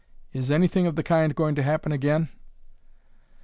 Is anything of the kind going to happen again?"